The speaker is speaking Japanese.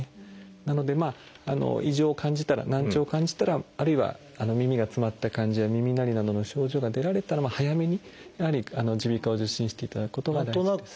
なので異常を感じたら難聴を感じたらあるいは耳が詰まった感じや耳鳴りなどの症状が出られたら早めにやはり耳鼻科を受診していただくことが大事です。